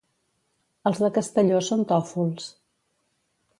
Els de Castelló són tòfols.